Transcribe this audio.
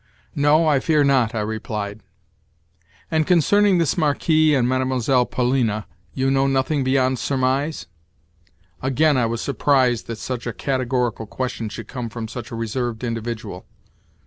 "No, I fear not," I replied. "And concerning this Marquis and Mlle. Polina you know nothing beyond surmise?" Again I was surprised that such a categorical question should come from such a reserved individual.